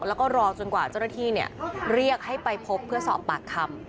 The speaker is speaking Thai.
แล้วก็รอจนกว่าเจ้าหน้าที่เรียกให้ไปพบเพื่อสอบปากคำ